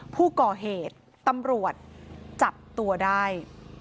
ผู้ก่อเหตุตำรวจจับตัวได้